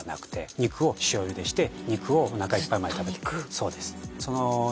そうです